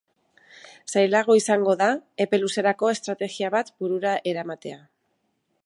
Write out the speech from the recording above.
Zailago izango da epe luzerako estrategia bat burura eramatea.